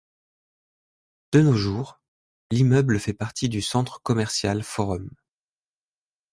De nos jours, l'immeuble fait partie du centre commercial Forum.